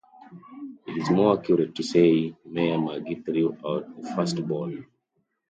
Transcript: It is more accurate to say Mayor Magee threw out the first ball.